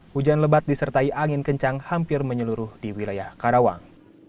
hujan lebat disertai angin kencang hampir menyeluruh di wilayah karawang